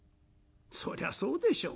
そりゃそうでしょ。